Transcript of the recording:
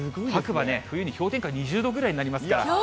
白馬ね、冬に氷点下２０度ぐらいになりますから。